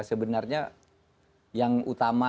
sebenarnya yang utama